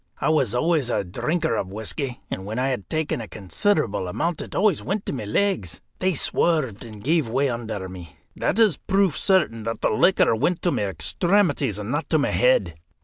I was always a drinker of whisky, and when I had taken a considerable amount it always went to my legs; they swerved, and gave way under me. That is proof certain that the liquor went to my extremities and not to my head.